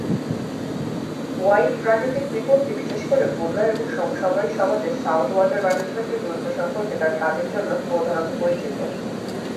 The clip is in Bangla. হোয়াইট প্রাকৃতিক বিপত্তি, বিশেষ করে বন্যা এবং সমসাময়িক সমাজে সাউন্ড ওয়াটার ম্যানেজমেন্টের গুরুত্ব সম্পর্কে তাঁর কাজের জন্য প্রধানত পরিচিত।